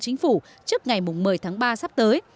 chính phủ trước ngày một mươi tháng ba sắp tới